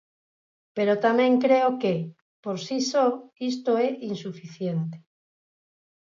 Pero tamén creo que, por si só, isto é insuficiente.